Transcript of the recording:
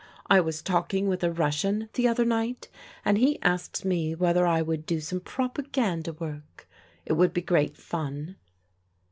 I was talking with a Russian the other night, and he asked me whether I would do some propaganda work. It would be great fun."